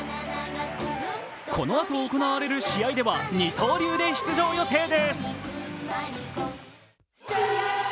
このあと行われる試合では二刀流で出場予定です。